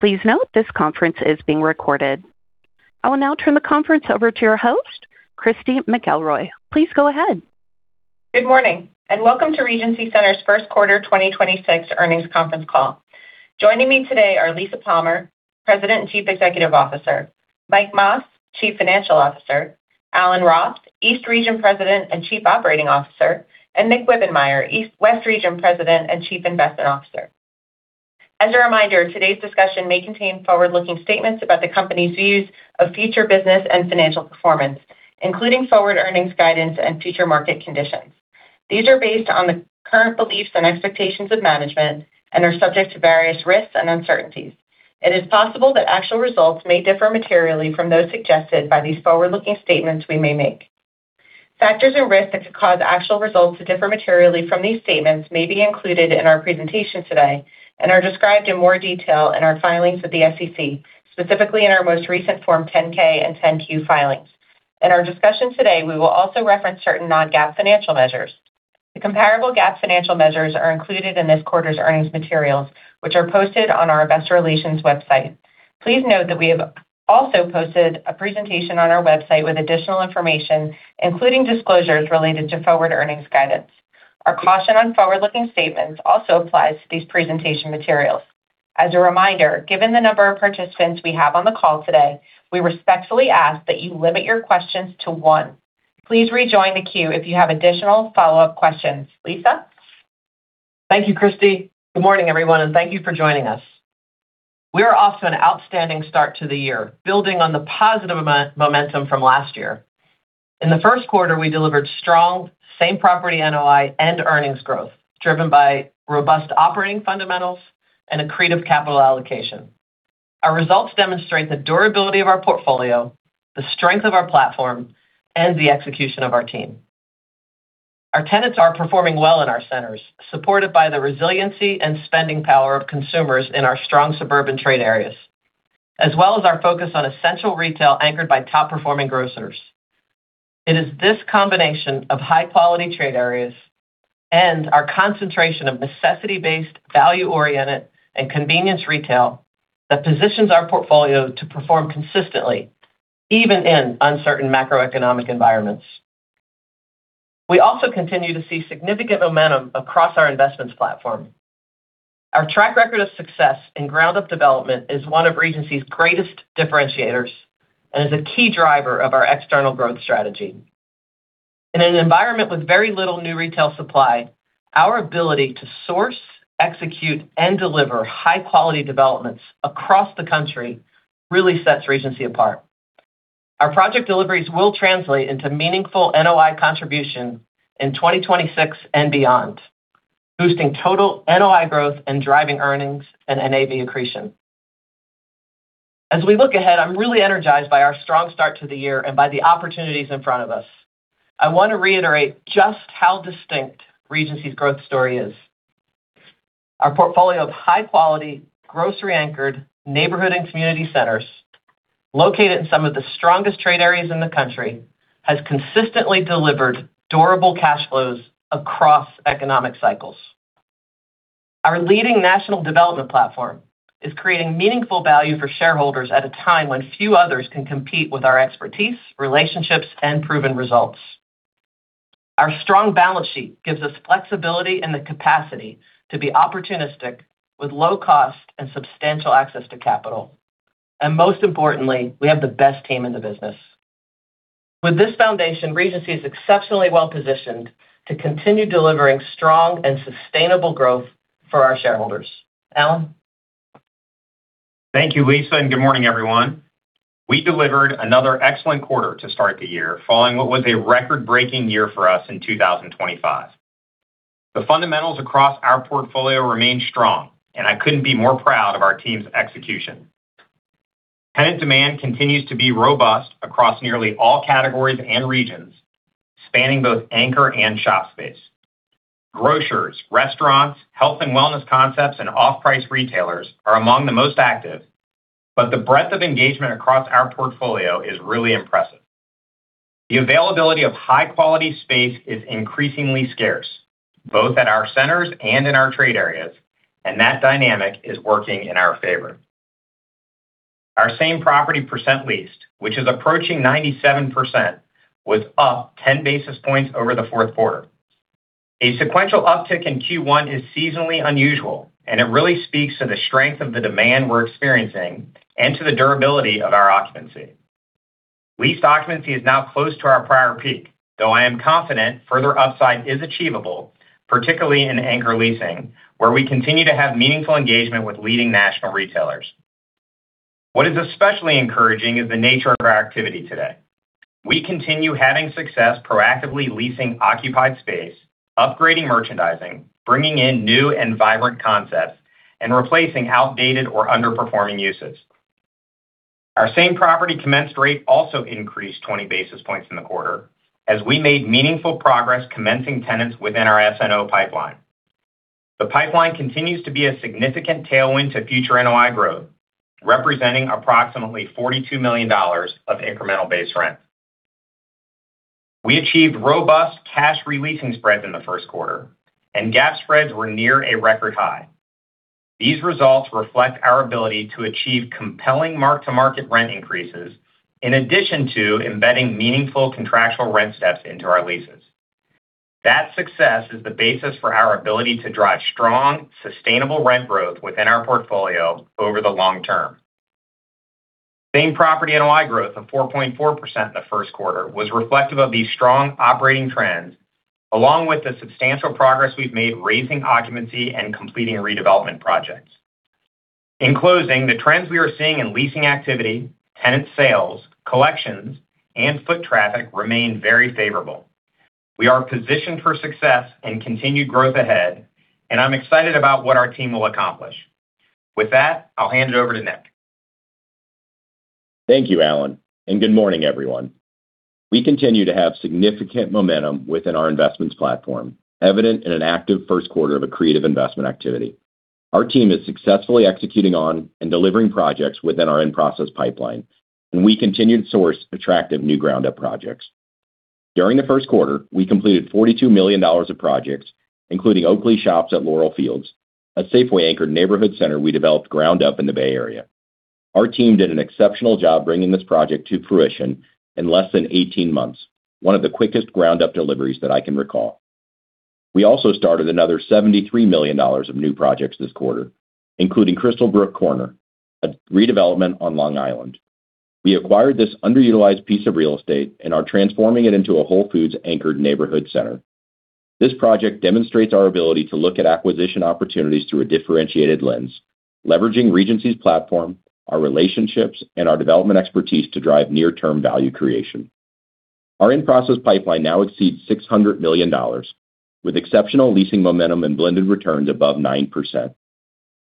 Please note, this conference is being recorded. I will now turn the conference over to your host, Christy McElroy. Please go ahead. Good morning, and welcome to Regency Centers' first quarter 2026 earnings conference call. Joining me today are Lisa Palmer, President and Chief Executive Officer; Mike Mas, Chief Financial Officer; Alan Roth, East Region President and Chief Operating Officer; and Nick Wibbenmeyer, West Region President and Chief Investment Officer. As a reminder, today's discussion may contain forward-looking statements about the company's views of future business and financial performance, including forward earnings guidance and future market conditions. These are based on the current beliefs and expectations of management and are subject to various risks and uncertainties. It is possible that actual results may differ materially from those suggested by these forward-looking statements we may make. Factors or risks that could cause actual results to differ materially from these statements may be included in our presentation today and are described in more detail in our filings with the SEC, specifically in our most recent form 10-K and 10-Q filings. In our discussion today, we will also reference certain non-GAAP financial measures. The comparable GAAP financial measures are included in this quarter's earnings materials, which are posted on our investor relations website. Please note that we have also posted a presentation on our website with additional information, including disclosures related to forward earnings guidance. Our caution on forward-looking statements also applies to these presentation materials. As a reminder, given the number of participants we have on the call today, we respectfully ask that you limit your questions to one. Please rejoin the queue if you have additional follow-up questions. Lisa. Thank you, Christy. Good morning, everyone, and thank you for joining us. We are off to an outstanding start to the year, building on the positive momentum from last year. In the first quarter, we delivered strong Same-Property NOI and earnings growth, driven by robust operating fundamentals and accretive capital allocation. Our results demonstrate the durability of our portfolio, the strength of our platform, and the execution of our team. Our tenants are performing well in our centers, supported by the resiliency and spending power of consumers in our strong suburban trade areas, as well as our focus on essential retail anchored by top-performing grocers. It is this combination of high-quality trade areas and our concentration of necessity-based, value-oriented, and convenience retail that positions our portfolio to perform consistently, even in uncertain macroeconomic environments. We also continue to see significant momentum across our investments platform. Our track record of success in ground-up development is one of Regency's greatest differentiators and is a key driver of our external growth strategy. In an environment with very little new retail supply, our ability to source, execute, and deliver high-quality developments across the country really sets Regency apart. Our project deliveries will translate into meaningful NOI contribution in 2026 and beyond, boosting total NOI growth and driving earnings and NAV accretion. As we look ahead, I'm really energized by our strong start to the year and by the opportunities in front of us. I want to reiterate just how distinct Regency's growth story is. Our portfolio of high-quality, grocery-anchored neighborhood and community centers located in some of the strongest trade areas in the country has consistently delivered durable cash flows across economic cycles. Our leading national development platform is creating meaningful value for shareholders at a time when few others can compete with our expertise, relationships, and proven results. Our strong balance sheet gives us flexibility and the capacity to be opportunistic with low cost and substantial access to capital. Most importantly, we have the best team in the business. With this foundation, Regency is exceptionally well-positioned to continue delivering strong and sustainable growth for our shareholders. Alan. Thank you, Lisa. Good morning, everyone. We delivered another excellent quarter to start the year following what was a record-breaking year for us in 2025. The fundamentals across our portfolio remain strong, and I couldn't be more proud of our team's execution. Tenant demand continues to be robust across nearly all categories and regions, spanning both anchor and shop space. Grocers, restaurants, health and wellness concepts, and off-price retailers are among the most active, but the breadth of engagement across our portfolio is really impressive. The availability of high-quality space is increasingly scarce, both at our centers and in our trade areas, and that dynamic is working in our favor. Our same property percent leased, which is approaching 97%, was up 10 basis points over the fourth quarter. A sequential uptick in Q1 is seasonally unusual, and it really speaks to the strength of the demand we're experiencing and to the durability of our occupancy. Leased occupancy is now close to our prior peak, though I am confident further upside is achievable, particularly in anchor leasing, where we continue to have meaningful engagement with leading national retailers. What is especially encouraging is the nature of our activity today. We continue having success proactively leasing occupied space, upgrading merchandising, bringing in new and vibrant concepts, and replacing outdated or underperforming uses. Our same property commenced rate also increased 20 basis points in the quarter as we made meaningful progress commencing tenants within our SNO pipeline. The pipeline continues to be a significant tailwind to future NOI growth, representing approximately $42 million of incremental base rent. We achieved robust cash re-leasing spreads in the first quarter and GAAP spreads were near a record high. These results reflect our ability to achieve compelling mark-to-market rent increases in addition to embedding meaningful contractual rent steps into our leases. That success is the basis for our ability to drive strong, sustainable rent growth within our portfolio over the long-term. Same-Property NOI growth of 4.4% the first quarter was reflective of the strong operating trends, along with the substantial progress we've made raising occupancy and completing redevelopment projects. In closing, the trends we are seeing in leasing activity, tenant sales, collections, and foot traffic remain very favorable. We are positioned for success and continued growth ahead, and I'm excited about what our team will accomplish. With that, I'll hand it over to Nick. Thank you, Alan, and good morning, everyone. We continue to have significant momentum within our investments platform, evident in an active first quarter of accretive investment activity. Our team is successfully executing on and delivering projects within our in-process pipeline, and we continued to source attractive new ground-up projects. During the first quarter, we completed $42 million of projects, including Oakley Shops at Laurel Fields, a Safeway-anchored neighborhood center we developed ground up in the Bay Area. Our team did an exceptional job bringing this project to fruition in less than 18 months, one of the quickest ground-up deliveries that I can recall. We also started another $73 million of new projects this quarter, including Crystal Brook Corner, a redevelopment on Long Island. We acquired this underutilized piece of real estate and are transforming it into a Whole Foods anchored neighborhood center. This project demonstrates our ability to look at acquisition opportunities through a differentiated lens, leveraging Regency's platform, our relationships, and our development expertise to drive near-term value creation. Our in-process pipeline now exceeds $600 million with exceptional leasing momentum and blended returns above 9%.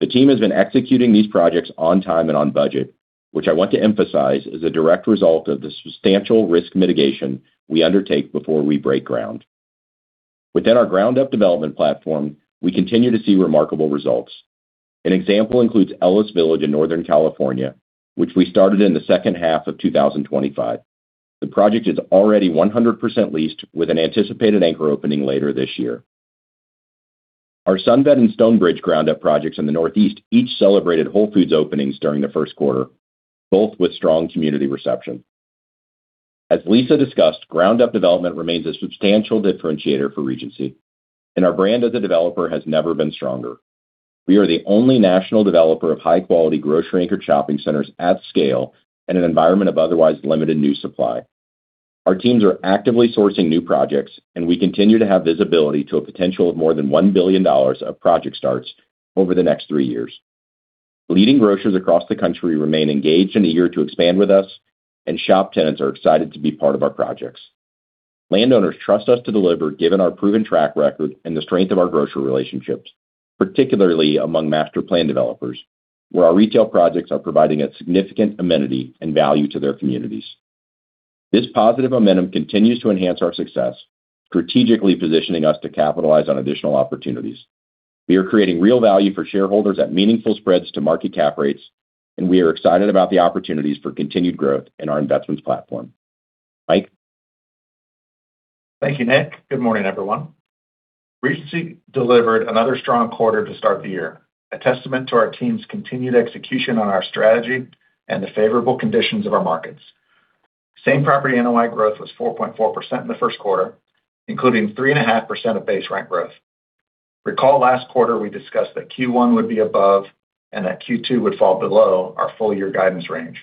The team has been executing these projects on time and on budget, which I want to emphasize is a direct result of the substantial risk mitigation we undertake before we break ground. Within our ground-up development platform, we continue to see remarkable results. An example includes Ellis Village in Northern California, which we started in the second half of 2025. The project is already 100% leased with an anticipated anchor opening later this year. Our SunVet and StoneBridge ground-up projects in the Northeast each celebrated Whole Foods openings during the first quarter, both with strong community reception. As Lisa discussed, ground-up development remains a substantial differentiator for Regency, and our brand as a developer has never been stronger. We are the only national developer of high-quality grocery anchor shopping centers at scale in an environment of otherwise limited new supply. Our teams are actively sourcing new projects, and we continue to have visibility to a potential of more than $1 billion of project starts over the next three years. Leading grocers across the country remain engaged and eager to expand with us, and shop tenants are excited to be part of our projects. Landowners trust us to deliver given our proven track record and the strength of our grocery relationships, particularly among master plan developers, where our retail projects are providing a significant amenity and value to their communities. This positive momentum continues to enhance our success, strategically positioning us to capitalize on additional opportunities. We are creating real value for shareholders at meaningful spreads to market cap rates. We are excited about the opportunities for continued growth in our investments platform. Mike? Thank you, Nick. Good morning, everyone. Regency delivered another strong quarter to start the year, a testament to our team's continued execution on our strategy and the favorable conditions of our markets. Same-property NOI growth was 4.4% in the first quarter, including 3.5% of base rent growth. Recall last quarter, we discussed that Q1 would be above and that Q2 would fall below our full year guidance range,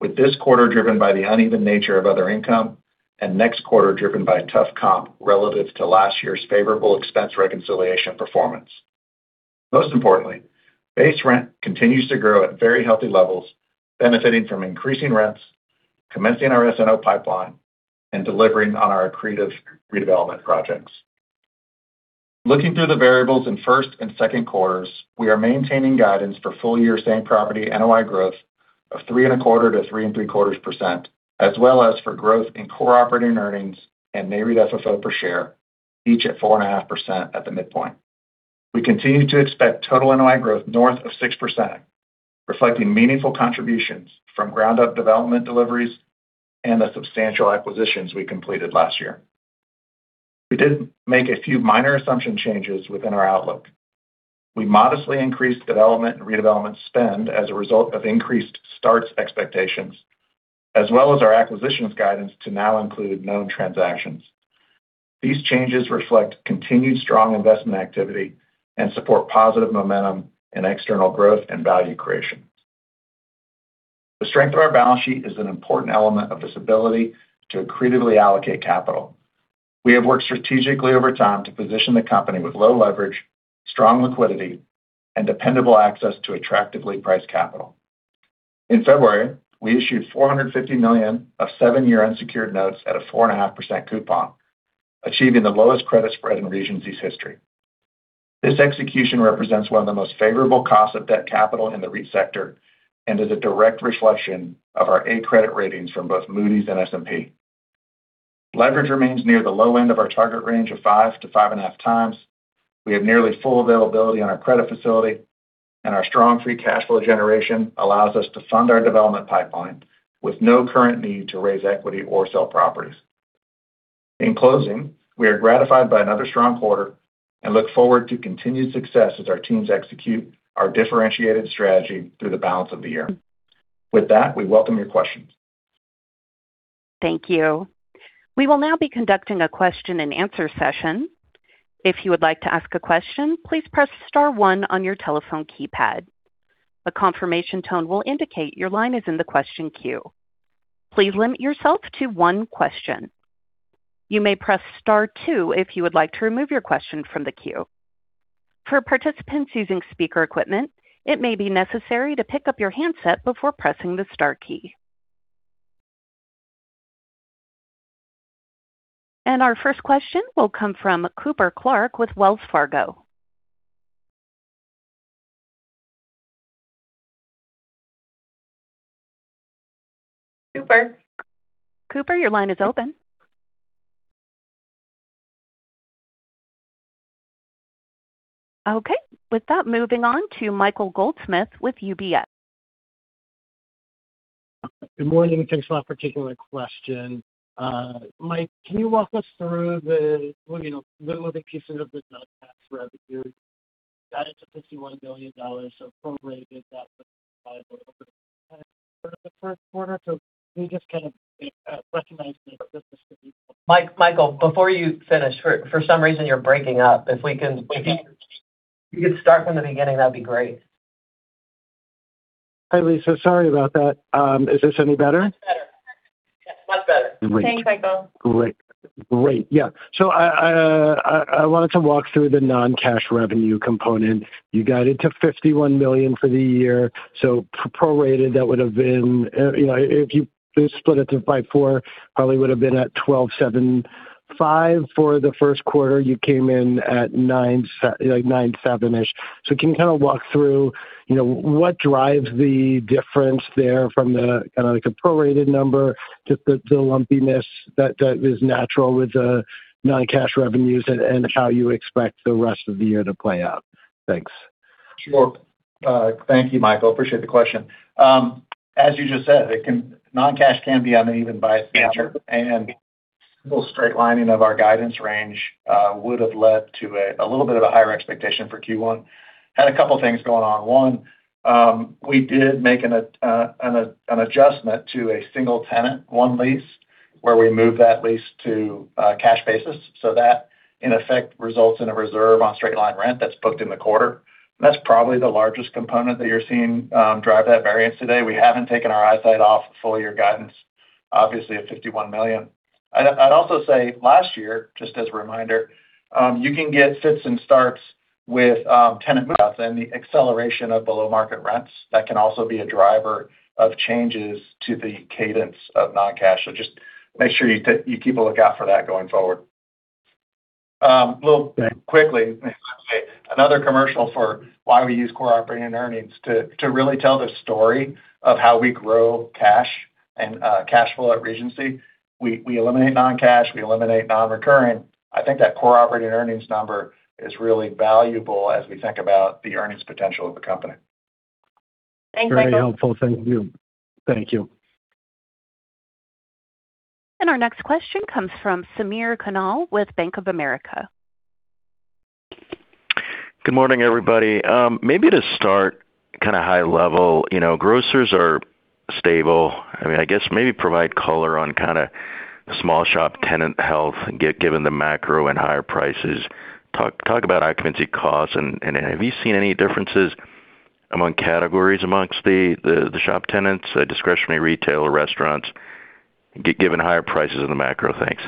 with this quarter driven by the uneven nature of other income and next quarter driven by tough comp relative to last year's favorable expense reconciliation performance. Most importantly, base rent continues to grow at very healthy levels, benefiting from increasing rents, commencing our SNO pipeline, and delivering on our accretive redevelopment projects. Looking through the variables in first and second quarters, we are maintaining guidance for full year Same-Property NOI growth of 3.25%-3.75%, as well as for growth in Core Operating Earnings and Nareit FFO per share, each at 4.5% at the midpoint. We continue to expect total NOI growth north of 6%, reflecting meaningful contributions from ground-up development deliveries and the substantial acquisitions we completed last year. We did make a few minor assumption changes within our outlook. We modestly increased development and redevelopment spend as a result of increased starts expectations, as well as our acquisitions guidance to now include known transactions. These changes reflect continued strong investment activity and support positive momentum in external growth and value creation. The strength of our balance sheet is an important element of this ability to accretively allocate capital. We have worked strategically over time to position the company with low leverage, strong liquidity, and dependable access to attractively priced capital. In February, we issued $450 million of seven-year unsecured notes at a 4.5% coupon, achieving the lowest credit spread in Regency's history. This execution represents one of the most favorable costs of debt capital in the REIT sector and is a direct reflection of our A credit ratings from both Moody's and S&P. Leverage remains near the low end of our target range of 5x-5.5x. We have nearly full availability on our credit facility, and our strong free cash flow generation allows us to fund our development pipeline with no current need to raise equity or sell properties. In closing, we are gratified by another strong quarter and look forward to continued success as our teams execute our differentiated strategy through the balance of the year. With that, we welcome your questions. Thank you. We will now be conducting a question-and-answer session. If you would like to ask a question, please press star-one on your telephone keypad. A confirmation tone will indicate your line is in the question queue. Please limit yourself to one question. You may press star-two if you would like to remove your question from the queue. For participants using speaker equipment, it may be necessary to pick up your handset before pressing the star key. Our first question will come from Cooper Clark with Wells Fargo. Cooper. Cooper, your line is open. Okay, with that, moving on to Michael Goldsmith with UBS. Good morning, and thanks a lot for taking my question. Mike, can you walk us through you know, the moving pieces of the non-cash revenue? Guidance to $51 million, prorated, that would be 5.0 for the first quarter. Can you just kind of recognize the business for me? Michael, before you finish, for some reason, you're breaking up. If you could start from the beginning, that'd be great. Hi, Lisa. Sorry about that. Is this any better? Thanks, Michael. Great. Yeah. I wanted to walk through the non-cash revenue component. You guided to $51 million for the year. Prorated, that would've been, you know, if you split it by four, probably would've been at $12.75 million. For the first quarter, you came in at like $9.7-ish million. Can you kind of walk through, you know, what drives the difference there from the kind of like a prorated number to the lumpiness that is natural with the non-cash revenues and how you expect the rest of the year to play out? Thanks. Sure. Thank you, Michael. Appreciate the question. As you just said, non-cash can be uneven by its nature. A little straight lining of our guidance range would have led to a little bit of a higher expectation for Q1. Had a couple things going on. One, we did make an adjustment to a single tenant, one lease, where we moved that lease to cash basis. That, in effect, results in a reserve on straight line rent that's booked in the quarter. That's probably the largest component that you're seeing drive that variance today. We haven't taken our eyesight off full year guidance, obviously, at $51 million. I'd also say last year, just as a reminder, you can get fits and starts with tenant mix and the acceleration of below-market rents. That can also be a driver of changes to the cadence of non-cash. Just make sure you keep a lookout for that going forward. Little quickly, another commercial for why we use Core Operating Earnings to really tell the story of how we grow cash and cash flow at Regency. We eliminate non-cash, we eliminate non-recurrent. I think that Core Operating Earnings number is really valuable as we think about the earnings potential of the company. Thanks, Michael. Very helpful. Thank you. Our next question comes from Samir Khanal with Bank of America. Good morning, everybody. Maybe to start kind of high level, you know, grocers are stable. I mean, I guess maybe provide color on kind of small shop tenant health given the macro and higher prices. Talk about occupancy costs, and have you seen any differences among categories amongst the shop tenants, discretionary retail or restaurants given higher prices in the macro? Thanks.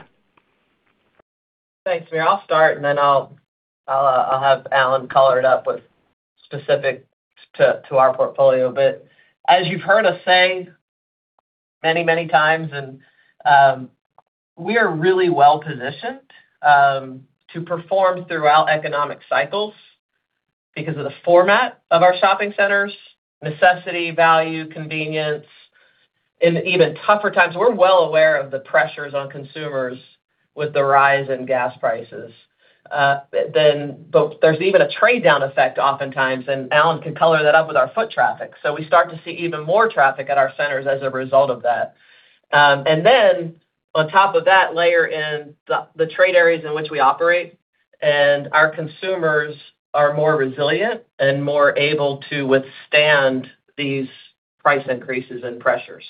Thanks, Samir. I'll start, and then I'll have Alan color it up with specific to our portfolio. As you've heard us say many times, and we are really well positioned to perform throughout economic cycles because of the format of our shopping centers, necessity, value, convenience. In even tougher times, we're well aware of the pressures on consumers with the rise in gas prices. There's even a trade-down effect oftentimes, and Alan can color that up with our foot traffic. We start to see even more traffic at our centers as a result of that. On top of that layer in the trade areas in which we operate, our consumers are more resilient and more able to withstand these price increases and pressures.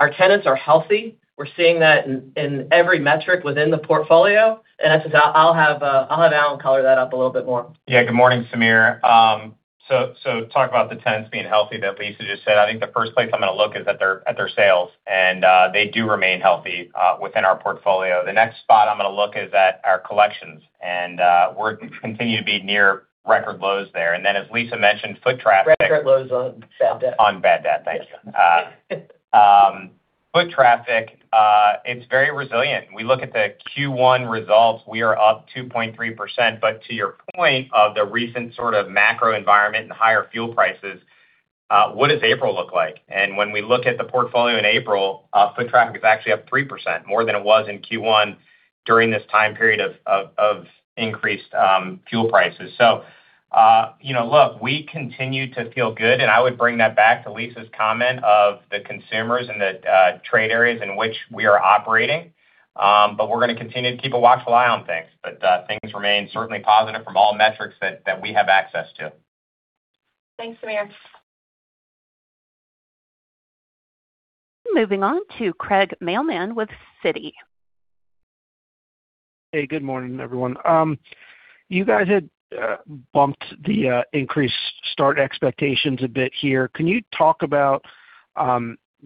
Our tenants are healthy. We're seeing that in every metric within the portfolio. As I said, I'll have Alan color that up a little bit more. Yeah, good morning, Samir. Talk about the tenants being healthy that Lisa just said. I think the first place I'm going to look is at their, at their sales, they do remain healthy within our portfolio. The next spot I'm going to look is at our collections, we're continue to be near record lows there. As Lisa mentioned, foot traffic, on bad debt. Thank you. Foot traffic, it's very resilient. We look at the Q1 results, we are up 2.3%. To your point of the recent sort of macro environment and higher fuel prices. What does April look like? When we look at the portfolio in April, foot traffic is actually up 3% more than it was in Q1 during this time period of increased fuel prices. You know, look, we continue to feel good, and I would bring that back to Lisa's comment of the consumers and the trade areas in which we are operating. We're going to continue to keep a watchful eye on things. Things remain certainly positive from all metrics that we have access to. Thanks, Samir. Moving on to Craig Mailman with Citi. Hey, good morning, everyone. You guys had bumped the increased start expectations a bit here. Can you talk about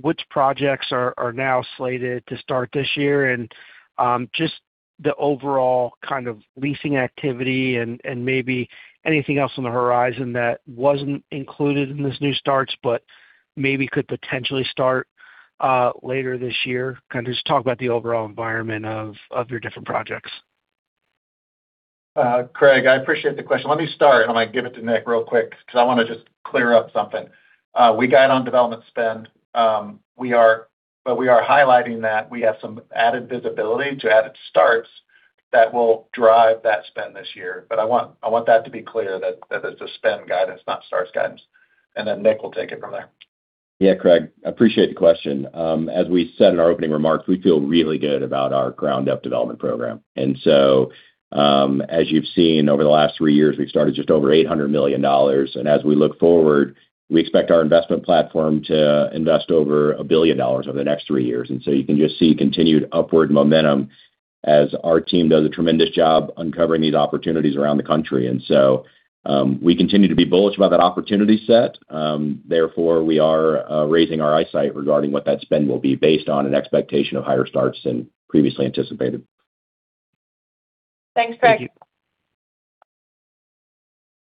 which projects are now slated to start this year and just the overall kind of leasing activity and maybe anything else on the horizon that wasn't included in this new starts, but maybe could potentially start later this year? Kind of just talk about the overall environment of your different projects. Craig, I appreciate the question. Let me start, I'm going to give it to Nick real quick because I want to just clear up something. We guide on development spend, but we are highlighting that we have some added visibility to added starts that will drive that spend this year. But I want that to be clear that is a spend guidance, not starts guidance. Then Nick will take it from there. Yeah, Craig, appreciate the question. As we said in our opening remarks, we feel really good about our ground up development program. As you've seen over the last three years, we've started just over $800 million. As we look forward, we expect our investment platform to invest over $1 billion over the next three years. You can just see continued upward momentum as our team does a tremendous job uncovering these opportunities around the country. We continue to be bullish about that opportunity set, we are raising our eyesight regarding what that spend will be based on an expectation of higher starts than previously anticipated. Thanks, Craig.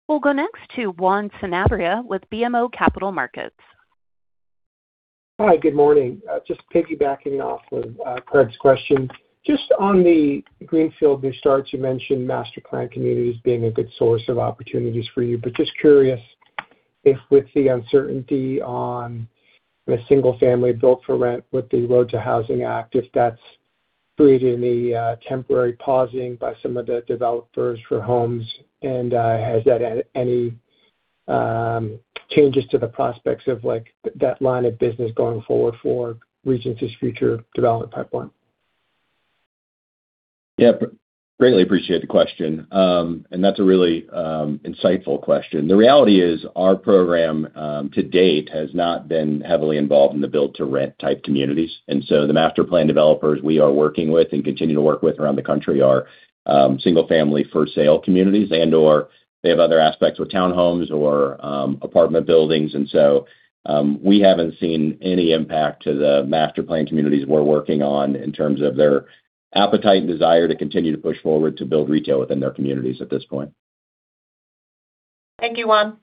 We'll go next to Juan Sanabria with BMO Capital Markets. Hi, good morning. Just piggybacking off of Craig's question. Just on the greenfield new starts, you mentioned master planned communities being a good source of opportunities for you. Just curious if with the uncertainty on the single-family build for rent with the ROAD to Housing Act, if that's creating any temporary pausing by some of the developers for homes, and has that had any changes to the prospects of like that line of business going forward for Regency's future development pipeline? Yeah. Greatly appreciate the question. That's a really insightful question. The reality is our program to date has not been heavily involved in the build to rent type communities. The master plan developers we are working with and continue to work with around the country are single family for sale communities and or they have other aspects with townhomes or apartment buildings. We haven't seen any impact to the master planned communities we're working on in terms of their appetite and desire to continue to push forward to build retail within their communities at this point. Thank you, Juan.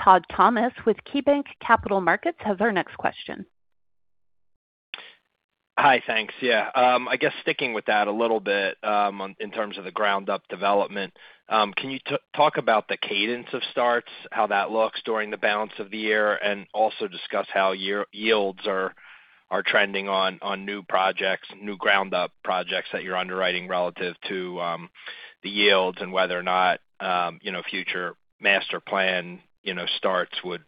Todd Thomas with KeyBanc Capital Markets has our next question. Hi. Thanks. Yeah. I guess sticking with that a little bit, in terms of the ground up development, can you talk about the cadence of starts, how that looks during the balance of the year, and also discuss how year-yields are trending on new ground up projects that you're underwriting relative to the yields and whether or not, you know, future master plan, you know, starts would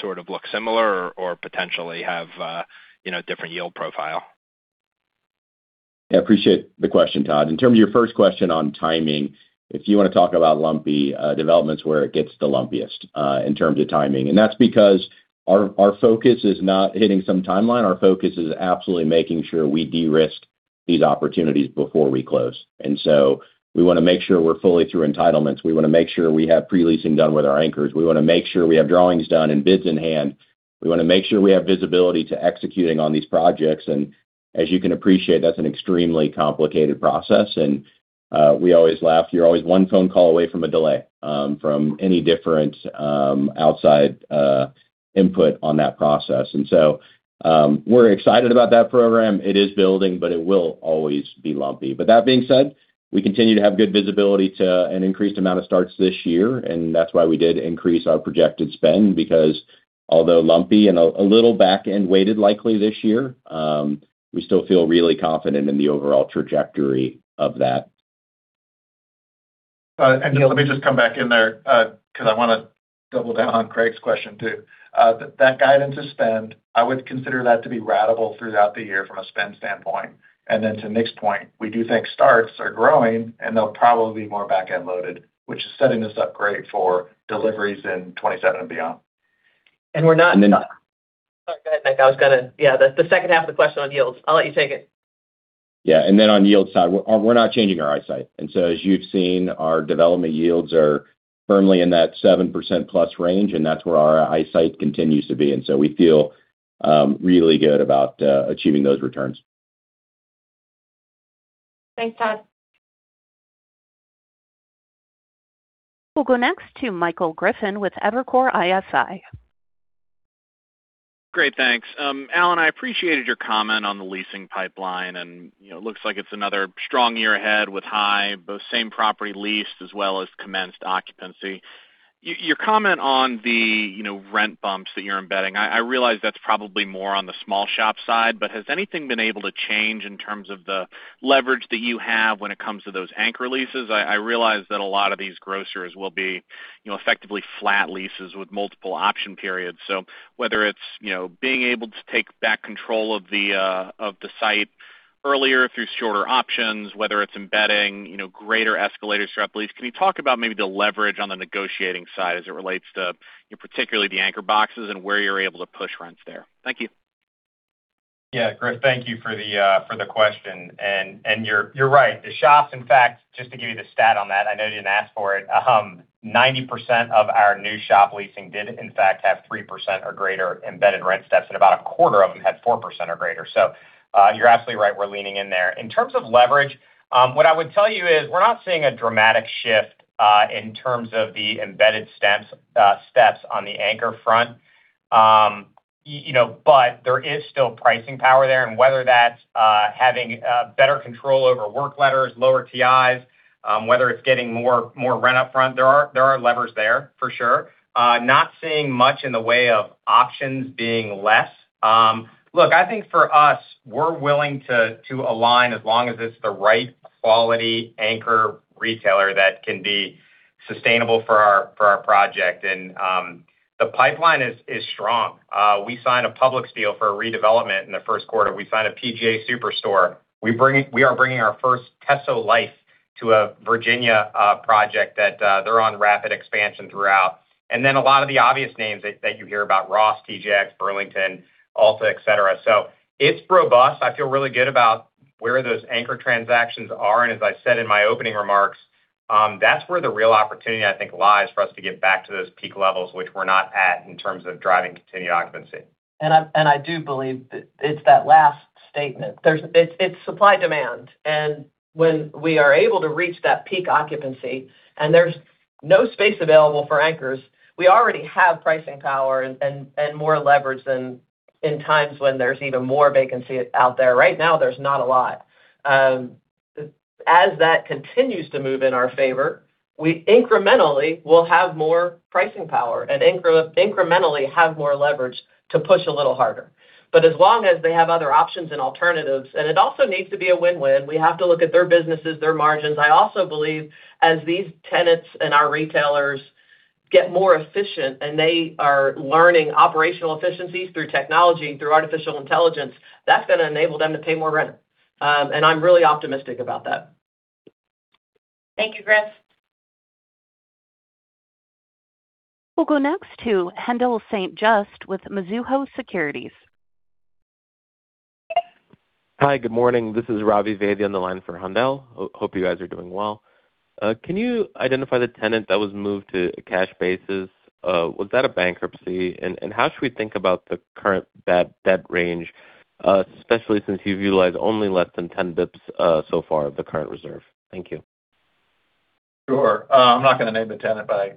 sort of look similar or potentially have a different yield profile? Yeah, appreciate the question, Todd. In terms of your first question on timing, if you want to talk about lumpy developments, where it gets the lumpiest in terms of timing, and that's because our focus is not hitting some timeline. Our focus is absolutely making sure we de-risk these opportunities before we close. We want to make sure we're fully through entitlements. We want to make sure we have pre-leasing done with our anchors. We want to make sure we have drawings done and bids in hand. We want to make sure we have visibility to executing on these projects. As you can appreciate, that's an extremely complicated process. We always laugh. You're always one phone call away from a delay from any different outside input on that process. We're excited about that program. It is building, it will always be lumpy. That being said, we continue to have good visibility to an increased amount of starts this year, and that's why we did increase our projected spend, because although lumpy and a little back-end weighted likely this year, we still feel really confident in the overall trajectory of that. Let me just come back in there, because I want to double down on Craig's question too. That guidance to spend, I would consider that to be ratable throughout the year from a spend standpoint. Then to Nick's point, we do think starts are growing, and they'll probably be more back-end loaded, which is setting us up great for deliveries in 2027 and beyond. Sorry. Go ahead, Nick. The second half of the question on yields. I'll let you take it. Yeah. On yield side, we're not changing our eyesight. As you've seen, our development yields are firmly in that 7%+ range, and that's where our eyesight continues to be. We feel really good about achieving those returns. Thanks, Todd. We'll go next to Michael Griffin with Evercore ISI. Great. Thanks. Alan, I appreciated your comment on the leasing pipeline and, you know, looks like it's another strong year ahead with high both same property leased as well as commenced occupancy. Your comment on the, you know, rent bumps that you're embedding, I realize that's probably more on the small shop side, but has anything been able to change in terms of the leverage that you have when it comes to those anchor leases? I realize that a lot of these grocers will be, you know, effectively flat leases with multiple option periods. Whether it's, you know, being able to take back control of the site earlier through shorter options, whether it's embedding, you know, greater escalators throughout the lease? Can you talk about maybe the leverage on the negotiating side as it relates to particularly the anchor boxes and where you're able to push rents there? Thank you. Griffin, thank you for the question. You're right. The shops, in fact, just to give you the stat on that, I know you didn't ask for it. 90% of our new shop leasing did in fact have 3% or greater embedded rent steps, and about a quarter of them had 4% or greater. You're absolutely right. We're leaning in there. In terms of leverage, what I would tell you is we're not seeing a dramatic shift in terms of the embedded steps on the anchor front. You know, there is still pricing power there, and whether that's having better control over work letters, lower TIs, whether it's getting more rent up front, there are levers there for sure. Not seeing much in the way of options being less. Look, I think for us, we're willing to align as long as it's the right quality anchor retailer that can be sustainable for our project. The pipeline is strong. We signed a Publix deal for a redevelopment in the first quarter. We signed a PGA Superstore. We are bringing our first Teso Life to a Virginia project that they're on rapid expansion throughout. Then a lot of the obvious names that you hear about, Ross, TJX, Burlington, Ulta, etc. It's robust. I feel really good about where those anchor transactions are. As I said in my opening remarks, that's where the real opportunity, I think, lies for us to get back to those peak levels, which we're not at in terms of driving continued occupancy. I do believe it's that last statement. It's supply demand. When we are able to reach that peak occupancy and there's no space available for anchors, we already have pricing power and more leverage than in times when there's even more vacancy out there. Right now, there's not a lot. As that continues to move in our favor, we incrementally will have more pricing power and incrementally have more leverage to push a little harder. As long as they have other options and alternatives, and it also needs to be a win-win, we have to look at their businesses, their margins. I also believe as these tenants and our retailers get more efficient and they are learning operational efficiencies through technology, through artificial intelligence, that's going to enable them to pay more rent. I'm really optimistic about that. Thank you, Griffin. We'll go next to Haendel St. Juste with Mizuho Securities. Hi, good morning. This is Ravi Vaidya on the line for Haendel. Hope you guys are doing well. Can you identify the tenant that was moved to a cash basis? Was that a bankruptcy? How should we think about the current debt range, especially since you've utilized only less than 10 bps so far of the current reserve? Thank you. Sure. I'm not going to name the tenant by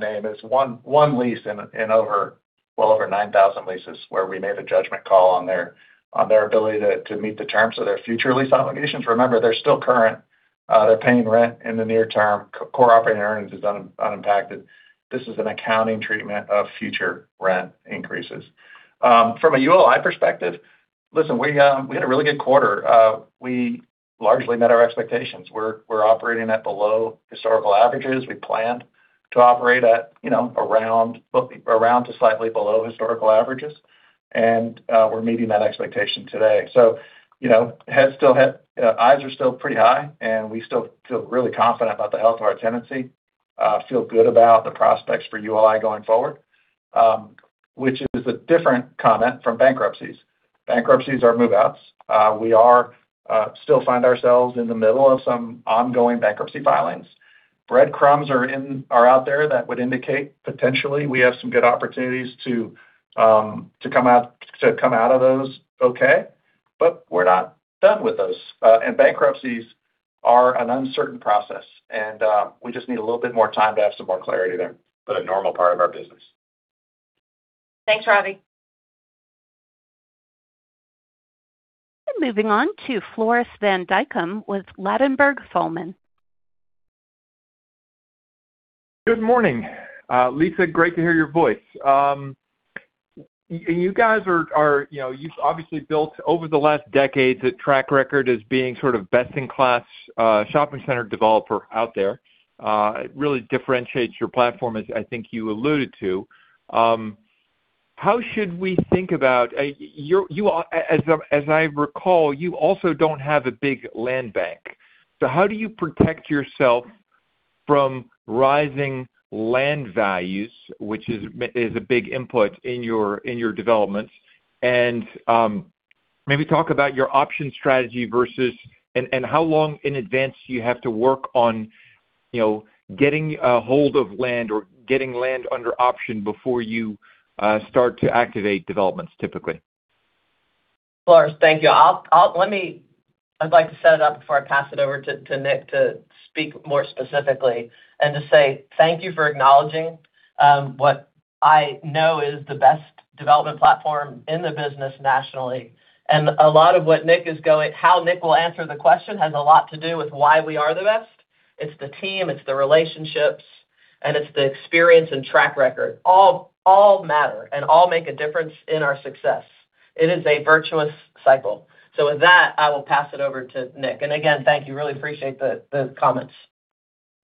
name. It's one lease in over, well over 9,000 leases where we made a judgment call on their ability to meet the terms of their future lease obligations. Remember, they're still current. They're paying rent in the near-term. Core Operating Earnings is unimpacted. This is an accounting treatment of future rent increases. From a ULI perspective, listen, we had a really good quarter. We largely met our expectations. We're operating at below historical averages. We planned to operate at, you know, around to slightly below historical averages. We're meeting that expectation today. You know, eyes are still pretty high, and we still feel really confident about the health of our tenancy. Feel good about the prospects for ULI going forward, which is a different comment from bankruptcies. Bankruptcies are move-outs. We still find ourselves in the middle of some ongoing bankruptcy filings. Breadcrumbs are out there that would indicate potentially we have some good opportunities to come out of those okay, but we're not done with those. Bankruptcies are an uncertain process, and we just need a little bit more time to have some more clarity there, but a normal part of our business. Thanks, Ravi. Moving on to Floris van Dijkum with Ladenburg Thalmann. Good morning. Lisa, great to hear your voice. You guys, you know, you've obviously built over the last decades a track record as being sort of best in class shopping center developer out there. It really differentiates your platform as I think you alluded to. How should we think about? As I recall, you also don't have a big land bank. How do you protect yourself from rising land values, which is a big input in your developments? Maybe talk about your option strategy versus, and how long in advance you have to work on, you know, getting a hold of land or getting land under option before you start to activate developments typically. Floris, thank you. I'd like to set it up before I pass it over to Nick to speak more specifically and to say thank you for acknowledging what I know is the best development platform in the business nationally. A lot of what Nick will answer the question has a lot to do with why we are the best. It's the team, it's the relationships, and it's the experience and track record. All matter and all make a difference in our success. It is a virtuous cycle. With that, I will pass it over to Nick. Again, thank you. Really appreciate the comments.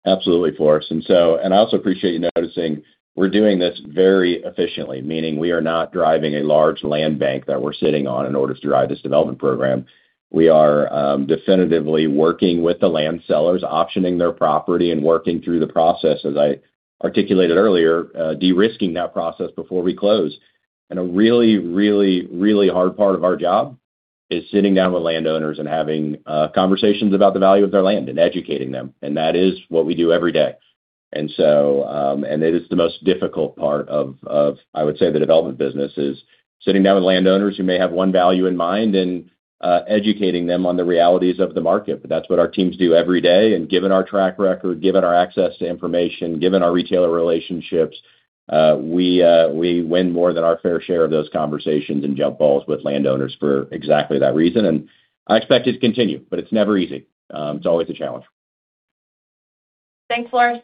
Absolutely, Floris. I also appreciate you noticing we're doing this very efficiently, meaning we are not driving a large land bank that we're sitting on in order to drive this development program. We are definitively working with the land sellers, optioning their property and working through the process, as I articulated earlier, de-risking that process before we close. A really hard part of our job is sitting down with landowners and having conversations about the value of their land and educating them, and that is what we do every day. It is the most difficult part of, I would say, the development business, is sitting down with landowners who may have one value in mind and educating them on the realities of the market. That's what our teams do every day. Given our track record, given our access to information, given our retailer relationships, we win more than our fair share of those conversations and jump balls with landowners for exactly that reason. I expect it to continue, but it's never easy. It's always a challenge. Thanks, Floris.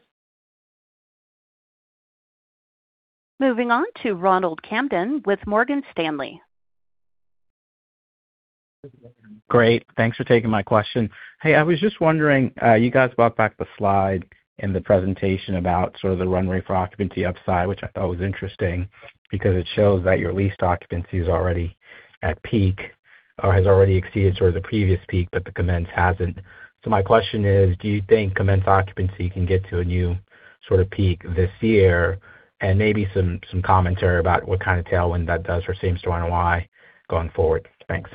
Moving on to Ronald Kamdem with Morgan Stanley. Great. Thanks for taking my question. Hey, I was just wondering, you guys brought back the slide in the presentation about sort of the runway for occupancy upside, which I thought was interesting because it shows that your leased occupancy is already at peak or has already exceeded sort of the previous peak, but the commenced hasn't. My question is, do you think commenced occupancy can get to a new sort of peak this year? Maybe some commentary about what kind of tailwind that does for same-store NOI going forward. Thanks.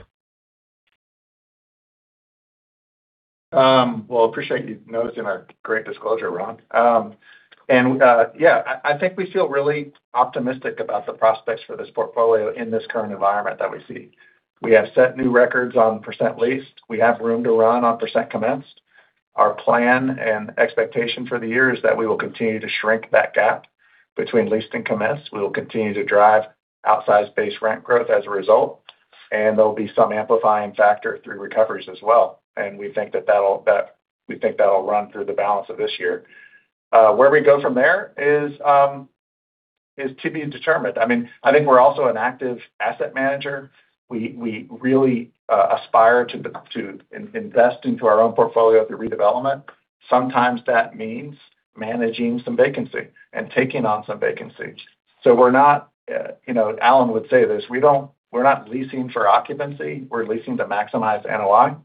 Well, appreciate you noticing our great disclosure, Ron. Yeah, I think we feel really optimistic about the prospects for this portfolio in this current environment that we see. We have set new records on percent leased. We have room to run on percent commenced. Our plan and expectation for the year is that we will continue to shrink that gap between leased and commenced. We will continue to drive outsized base rent growth as a result, and there'll be some amplifying factor through recoveries as well. We think that that'll run through the balance of this year. Where we go from there is to be determined. I mean, I think we're also an active asset manager. We really aspire to in-invest into our own portfolio through redevelopment. Sometimes that means managing some vacancy and taking on some vacancy. Alan would say this, we're not leasing for occupancy. We're leasing to maximize NOI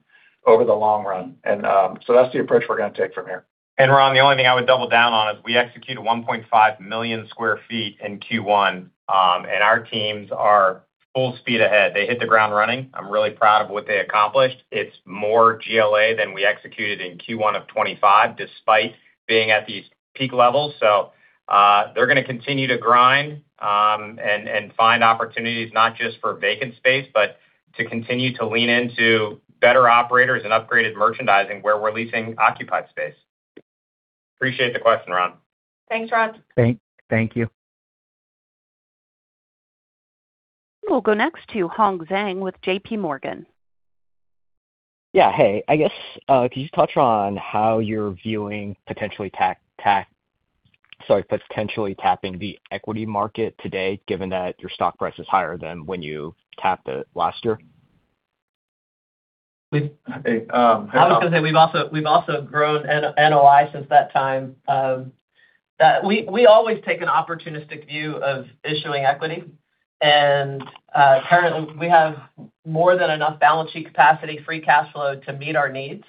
over the long run. That's the approach we're going to take from here. Ron, the only thing I would double down on is we executed 1.5 million sq ft in Q1. Our teams are full speed ahead. They hit the ground running. I'm really proud of what they accomplished. It's more GLA than we executed in Q1 of 2025, despite being at these peak levels. They're going to continue to grind and find opportunities not just for vacant space, but to continue to lean into better operators and upgraded merchandising where we're leasing occupied space. Appreciate the question, Ron. Thanks, Ron. Thank you. We'll go next to Hong Zhang with JPMorgan. Yeah. Hey, I guess, could you touch on how you're viewing potentially tapping the equity market today, given that your stock price is higher than when you tapped it last year? I was going to say we've also grown NOI since that time. That we always take an opportunistic view of issuing equity. Currently, we have more than enough balance sheet capacity, free cash flow to meet our needs.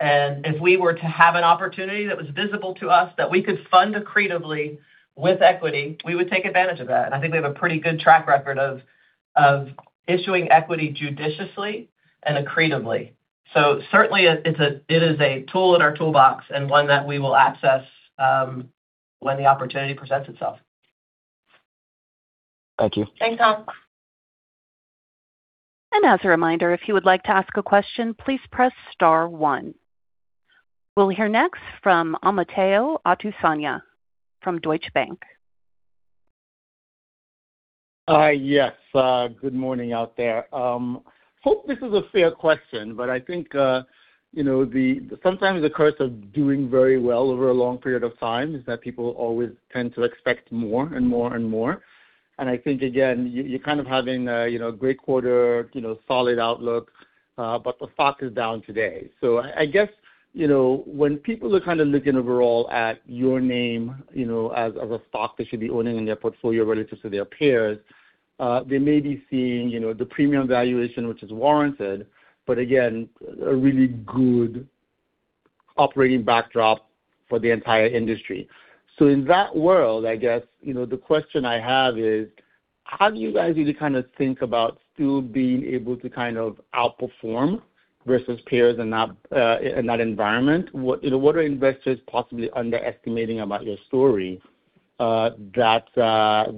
If we were to have an opportunity that was visible to us that we could fund accretively with equity, we would take advantage of that. I think we have a pretty good track record of issuing equity judiciously and accretively. Certainly it is a tool in our toolbox and one that we will access when the opportunity presents itself. Thank you. Thanks, Hong. As a reminder, if you would like to ask a question, please press star-one. We'll hear next from Omotayo Okusanya from Deutsche Bank. Yes. Good morning out there. Hope this is a fair question, I think, you know, sometimes the curse of doing very well over a long period of time is that people always tend to expect more and more and more. I think, again, you're kind of having, you know, a great quarter, you know, solid outlook, the stock is down today. I guess, you know, when people are kind of looking overall at your name, you know, as a stock they should be owning in their portfolio relative to their peers, they may be seeing, you know, the premium valuation, which is warranted, again, a really good operating backdrop for the entire industry. In that world, I guess, you know, the question I have is: How do you guys really kind of think about still being able to kind of outperform versus peers in that environment? What are investors possibly underestimating about your story,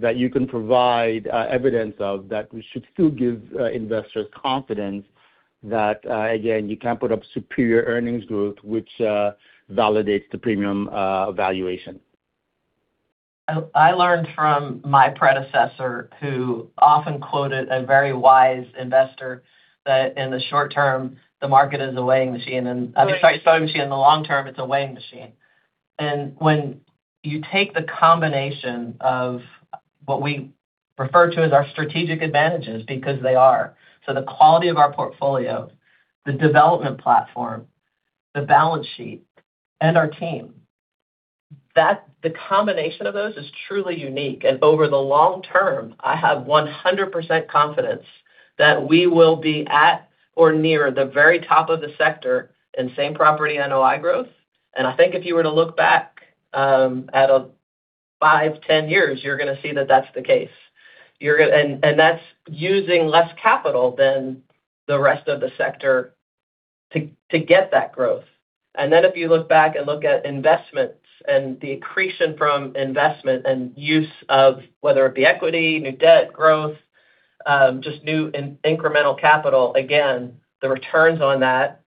that you can provide evidence of, that we should still give investors confidence that, again, you can put up superior earnings growth, which validates the premium valuation? I learned from my predecessor, who often quoted a very wise investor, that in the short-term, the market is a weighing machine. I'm sorry, in the long-term, it's a weighing machine. When you take the combination of what we refer to as our strategic advantages, because they are, so the quality of our portfolio, the development platform, the balance sheet, and our team, that the combination of those is truly unique. Over the long-term, I have 100% confidence that we will be at or near the very top of the sector in Same-Property NOI growth. I think if you were to look back, at five, 10 years, you're going to see that that's the case. That's using less capital than the rest of the sector to get that growth. If you look back and look at investments and the accretion from investment and use of whether it be equity, new debt growth, just new incremental capital, again, the returns on that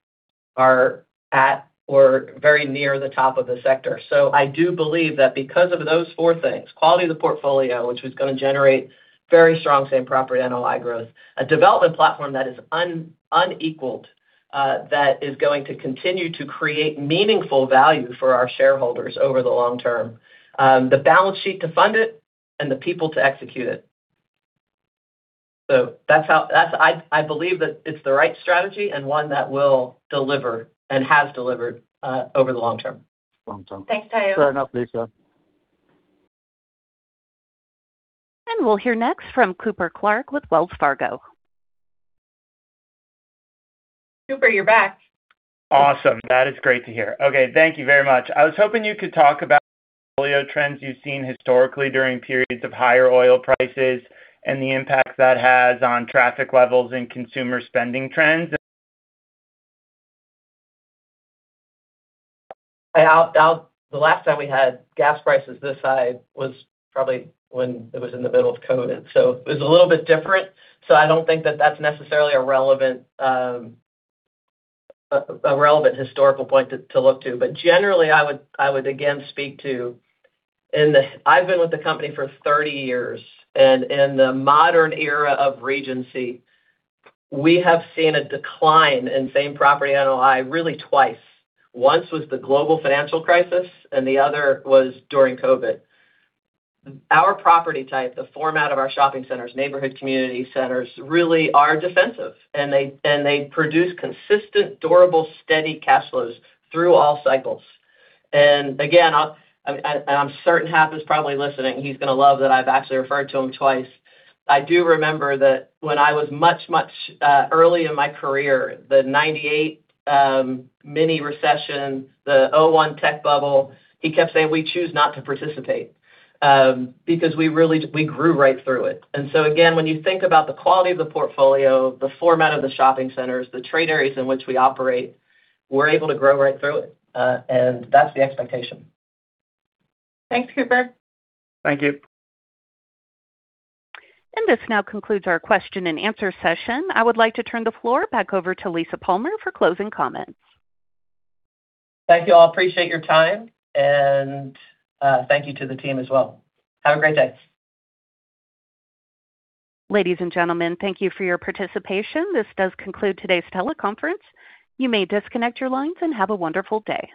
are at or very near the top of the sector. I do believe that because of those 4 things, quality of the portfolio, which is going to generate very strong Same-Property NOI growth, a development platform that is unequaled, that is going to continue to create meaningful value for our shareholders over the long-term. The balance sheet to fund it and the people to execute it. That's how I believe that it's the right strategy and one that will deliver and has delivered over the long-term. Thanks, Tayo. Fair enough, Lisa. We'll hear next from Cooper Clark with Wells Fargo. Cooper, you're back. Awesome. That is great to hear. Okay, thank you very much. I was hoping you could talk about portfolio trends you've seen historically during periods of higher oil prices and the impact that has on traffic levels in consumer spending trends? The last time we had gas prices this high was probably when it was in the middle of COVID, so it was a little bit different. I don't think that that's necessarily a relevant, a relevant historical point to look to. Generally, I would again speak to I've been with the company for 30 years, and in the modern era of Regency, we have seen a decline in Same-Property NOI really twice. Once was the global financial crisis, and the other was during COVID. Our property type, the format of our shopping centers, neighborhood community centers, really are defensive, and they produce consistent, durable, steady cash flows through all cycles. Again, I, and I'm certain Hap is probably listening, he's going to love that I've actually referred to him twice. I do remember that when I was much early in my career, the 98 mini recession, the 2001 tech bubble, he kept saying, "We choose not to participate," because we really, we grew right through it. Again, when you think about the quality of the portfolio, the format of the shopping centers, the trade areas in which we operate, we're able to grow right through it, and that's the expectation. Thanks, Cooper. Thank you. This now concludes our question-and-answer session. I would like to turn the floor back over to Lisa Palmer for closing comments. Thank you all. Appreciate your time, and thank you to the team as well. Have a great day. Ladies and gentlemen, thank you for your participation. This does conclude today's teleconference. You may disconnect your lines, and have a wonderful day.